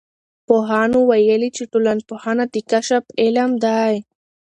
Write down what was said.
پوهانو ویلي چې ټولنپوهنه د کشف علم دی.